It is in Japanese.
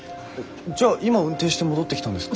じゃあ今運転して戻ってきたんですか？